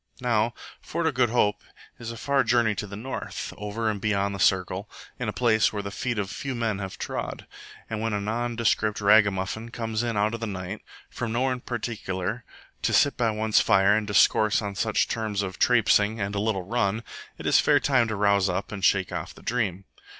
Now Fort o' Good Hope is a far journey to the north, over and beyond the Circle, in a place where the feet of few men have trod; and when a nondescript ragamuffin comes in out of the night, from nowhere in particular, to sit by one's fire and discourse on such in terms of "trapsing" and "a little run," it is fair time to rouse up and shake off the dream.